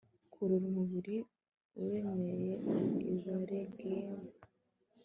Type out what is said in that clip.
kurura umubiri uremereye i waereghem